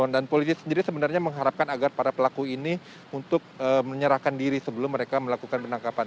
dan polisi sendiri sebenarnya mengharapkan agar para pelaku ini untuk menyerahkan diri sebelum mereka melakukan penangkapan